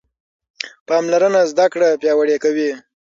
پاملرنه زده کړه پیاوړې کوي.